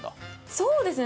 そうですね。